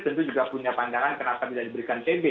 tentu juga punya pandangan kenapa tidak diberikan cb